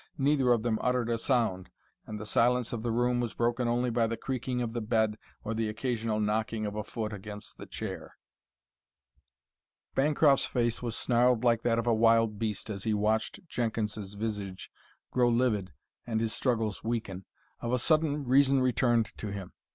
Neither of them uttered a sound, and the silence of the room was broken only by the creaking of the bed or the occasional knocking of a foot against the chair. Bancroft's face was snarled like that of a wild beast as he watched Jenkins's visage grow livid and his struggles weaken. Of a sudden reason returned to him.